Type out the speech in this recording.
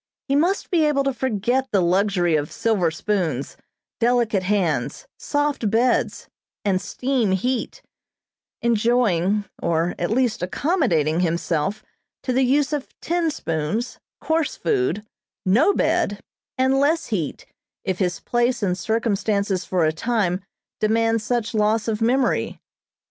He must be able to forget the luxury of silver spoons, delicate hands, soft beds, and steam heat; enjoying, or at least accommodating himself to the use of tin spoons, coarse food, no bed, and less heat, if his place and circumstances for a time demand such loss of memory.